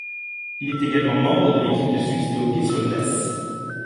Il est également membre de l'équipe de Suisse de hockey sur glace.